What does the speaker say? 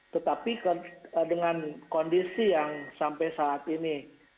tetapi dengan kondisi yang sampai saat ini